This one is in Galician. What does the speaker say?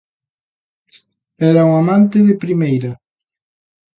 Era un amante de primeira.